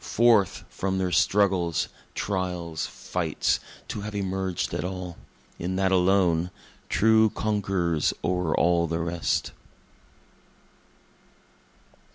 Forth from their struggles, trials, fights, to have emerged at all in that alone, True conquerors o'er all the rest.